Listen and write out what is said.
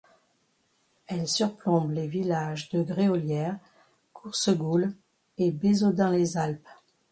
Elle surplombe les villages de Gréolières, Coursegoules et Bézaudun-les-Alpes.